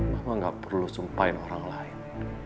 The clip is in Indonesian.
mama gak perlu sumpahin orang lain